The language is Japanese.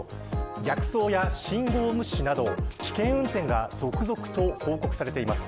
逆走や信号無視など危険運転が続々と報告されています。